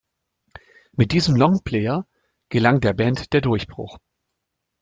Mit diesem Longplayer gelang der Band der Durchbruch.